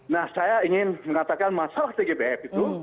nah saya ingin mengatakan masalah tgpf itu